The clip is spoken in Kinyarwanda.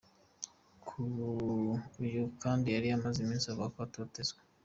Uyu kandi yari amaze iminsi avuga ko atotezwa.